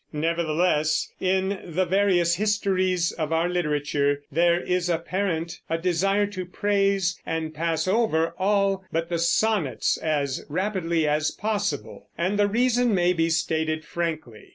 Nevertheless, in the various histories of our literature there is apparent a desire to praise and pass over all but the Sonnets as rapidly as possible; and the reason may be stated frankly.